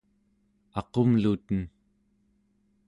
aqumluten